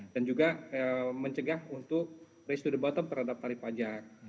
dan juga mencegah untuk raise to the bottom terhadap tarif pajak